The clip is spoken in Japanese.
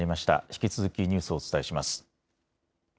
引き続きニュースをお伝えします。